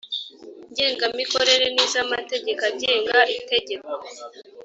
ngengamikorere n iz amategeko agenga itegeko